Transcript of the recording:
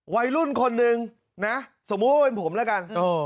วัยรุ่นคนหนึ่งผมละกัน